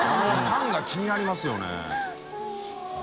△パンが気になりますよね。